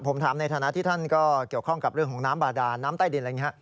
ผมถามในฐานะที่ท่านก็เกี่ยวข้องกับเรื่องของน้ำบาดาน้ำใต้ดิน